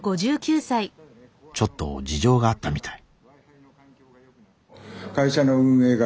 ちょっと事情があったみたい。